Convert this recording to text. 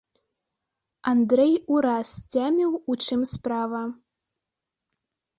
Андрэй ураз сцяміў, у чым справа.